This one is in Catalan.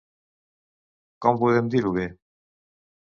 Com podem dir-ho bé?